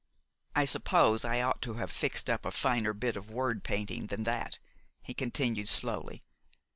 "I suppose I ought to have fixed up a finer bit of word painting than that," he continued slowly.